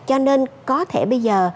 cho nên có thể bây giờ